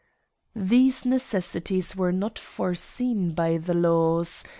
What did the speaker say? These necessities were not foreseen by the laws